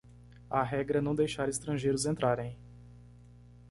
A regra é não deixar estrangeiros entrarem.